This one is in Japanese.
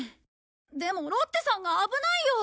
でもロッテさんが危ないよ！